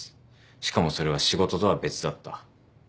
しかもそれは仕事とは別だった。